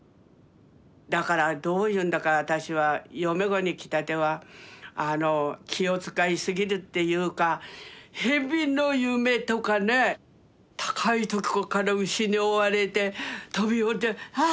だからどういうんだか私は嫁ごに来たてはあの気を遣いすぎるっていうかヘビの夢とかね高いとこから牛に追われて飛び降りてあっ！